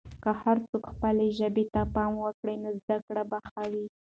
که هر څوک خپلې ژبې ته پام وکړي، نو زده کړه به ښه وي.